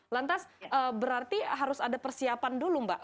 lantas berarti harus ada persiapan dulu mbak